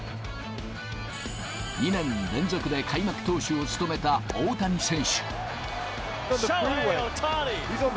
２年連続で開幕投手を務めた大谷選手。